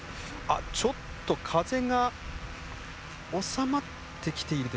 ちょっと風が収まってきているでしょうか。